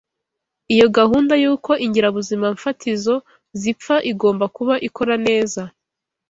Iyo gahunda y’uko ingirabuzimafatizo zipfa igomba kuba ikora neza